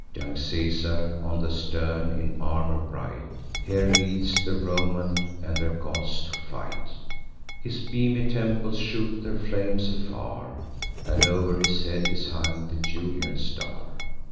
Young Caesar, on the stern, in armour bright, Here leads the Romans and their gods to fight: His beamy temples shoot their flames afar, And o'er his head is hung the Julian star.